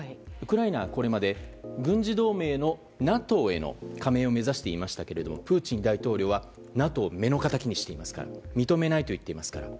ウクライナはこれまで軍事同盟のＮＡＴＯへの加盟を目指していましたがプーチン大統領はＮＡＴＯを目の敵にしていますから認めないということです。